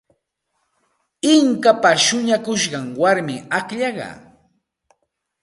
Inkapa shuñakushqan warmim akllaqa.